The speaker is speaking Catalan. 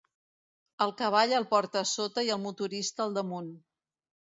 El cavall el porta sota i el motorista al damunt.